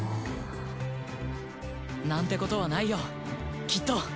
なんてことはないよきっと！